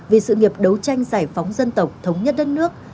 vì sự nghiệp đấu tranh giải phóng dân tộc thống nhất đất nước